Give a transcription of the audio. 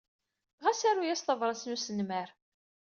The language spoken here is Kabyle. Ɣas aru-as tabṛat n wesnemmer.